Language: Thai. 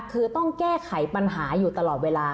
คือต้องแก้ไขปัญหาอยู่ตลอดเวลา